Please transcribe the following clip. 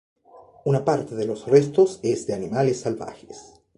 Una parte de los restos es de animales salvajes.